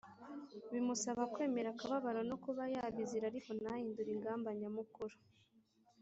bimusaba kwemera akababaro no kuba yabizira ariko ntahindure ingamba nyamukuru.